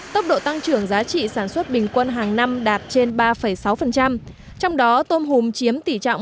tốc độ tăng trưởng giá trị sản xuất bình quân hàng năm đạt trên ba sáu trong đó tôm hùm chiếm tỷ trọng